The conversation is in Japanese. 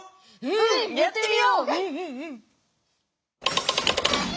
うんやってみよう！